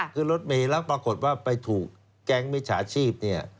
ขึ้นรถเมย์แล้วปรากฏว่าไปถูกแก๊งวิชาชีพ